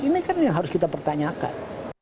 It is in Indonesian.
ini kan yang harus kita pertanyakan